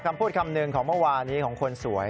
คำพูดคำหนึ่งของเมื่อวานี้ของคนสวย